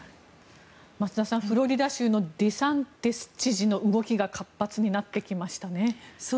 増田さん、フロリダ州のデサンティス知事の動きが活発になってきましたね。